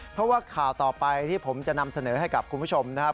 เพราะว่าข่าวต่อไปที่ผมจะนำเสนอให้กับคุณผู้ชมนะครับ